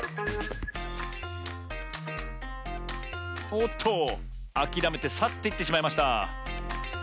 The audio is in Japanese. おっとあきらめてさっていってしまいました。